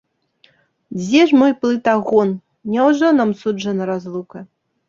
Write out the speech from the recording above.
Дзе ж мой плытагон, няўжо нам суджана разлука?